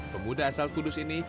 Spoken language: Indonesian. pemuda asal kudus ini